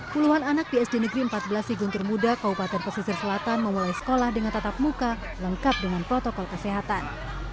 puluhan anak psd negeri empat belas sigung termuda kaupatan pesisir selatan memulai sekolah dengan tatap muka lengkap dengan protokol kesehatan